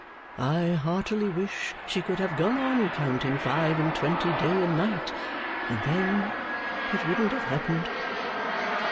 I heartily wish she could have gone on counting five and twenty day and night, and then it wouldn't have happened.